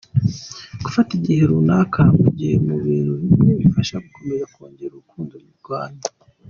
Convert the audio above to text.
Gufata igihe runaka muhugiye mu bintu bimwe bifasha gukomeza kongera urukundo rwanyu.